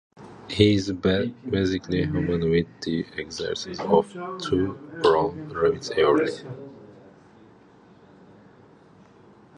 He is basically human with the exception of two brown rabbit ears.